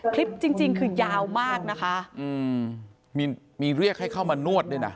คลิปจริงจริงคือยาวมากนะคะอืมมีมีเรียกให้เข้ามานวดด้วยนะ